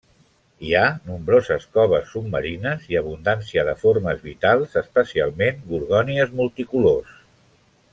Hi ha nombroses coves submarines i abundància de formes vitals, especialment gorgònies multicolors.